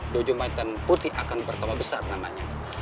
dojo macan putih akan bertama besar namanya